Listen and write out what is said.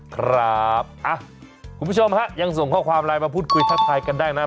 คุณผู้ชมฮะยังส่งข้อความไลน์มาพูดคุยทักทายกันได้นะ